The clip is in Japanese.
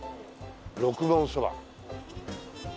六文そば。